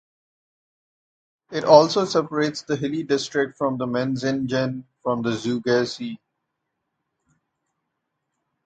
It also separates the hilly district of Menzingen from the Zugersee.